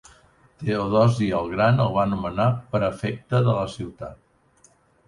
Teodosi el Gran el va nomenar prefecte de la ciutat.